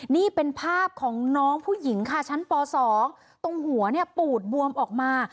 นี่เป็นภาพของน้องผู้หญิงค่ะชั้นป๒ตรงหัวเนี่ยปูดบวมออกมา